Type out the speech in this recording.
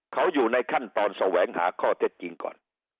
เขาอยู่ในขั้นตอนแสวงหาข้อเท็จจริงก่อน